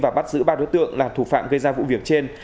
và bắt giữ ba đối tượng là thủ phạm gây ra vụ việc trên